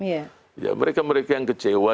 ya mereka mereka yang kecewa